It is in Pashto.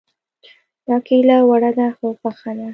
دا کيله وړه ده خو پخه ده